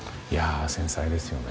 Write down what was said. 繊細ですよね。